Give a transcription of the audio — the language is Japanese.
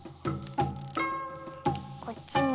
こっちも。